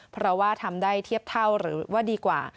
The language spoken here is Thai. เพราะว่าทำได้เทียบเท่าหรือว่าดีกว่า